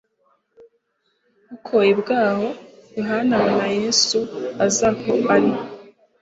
Bukoye bwaho Yohana abona Yesu aza aho ari.